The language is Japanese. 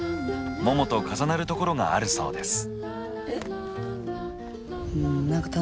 ももと重なるところがあるそうです。